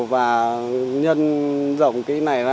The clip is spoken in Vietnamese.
và nhân dòng cái này